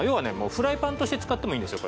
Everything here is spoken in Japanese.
フライパンとして使ってもいいんですよ